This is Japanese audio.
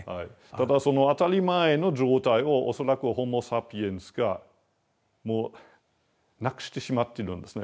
ただその当たり前の状態を恐らくホモサピエンスがもうなくしてしまっているんですね。